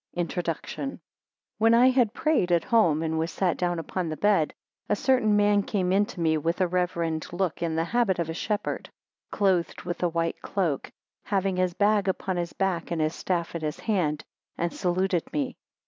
Introduction. WHEN I had prayed at home, and was sat down upon the bed, a certain man came in to me with a reverend look, in the habit of a Shepherd, clothed with a white cloak, having his bag upon his back, and his staff in his hand, and saluted me.